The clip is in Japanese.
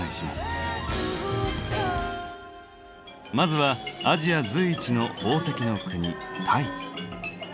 まずはアジア随一の宝石の国タイ。